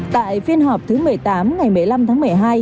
tại phiên họp thứ một mươi tám ngày một mươi năm tháng một mươi hai